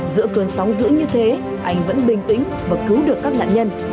giữa cơn sóng dữ như thế anh vẫn bình tĩnh và cứu được các nạn nhân